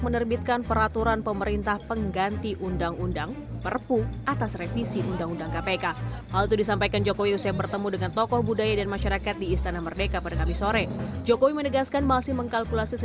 pertimbangan ini setelah melihat besarnya gelombang demonstrasi dan penolakan revisi undang undang kpk